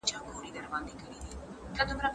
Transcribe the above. دولتونه د خپلو ملي ارزښتونو د پیژندنې لپاره هڅه کوي.